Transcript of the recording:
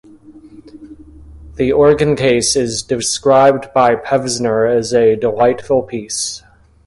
The organ case is described by Pevsner as "a delightful piece".